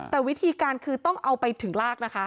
แต่วิธีการคือต้องเอาไปถึงลากนะคะ